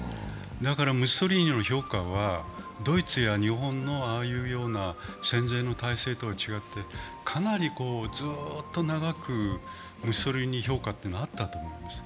だからムッソリーニの評価は、ドイツや日本のああいうような戦前の体制とは違って、かなりずっと長くムッソリーニ評価というのはあったと思います。